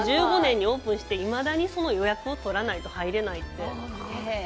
２０１５年にオープンして、いまだにその予約を取らないと入れないって。